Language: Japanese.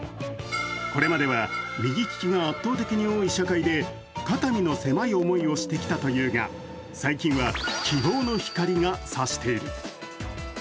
これまでは右利きが圧倒的に多い社会で肩身の狭い思いをしてきたというが最近は希望の光が差している。